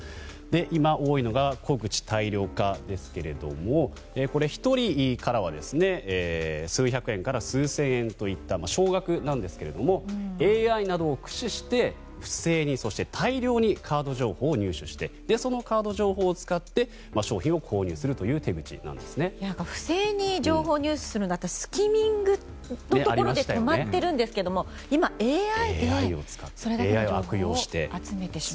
今、多いのが小口・大量化ですがこれ、１人からは数百円から数千円といった少額なんですがＡＩなどを駆使して不正に、大量にカード情報を入手してそのカード情報を使って商品を購入するという不正に情報を入手するって私はスキミングのところで止まってるんですけども今、ＡＩでそれだけの情報を集めてしまう。